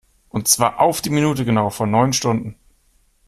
Und zwar auf die Minute genau vor neun Stunden.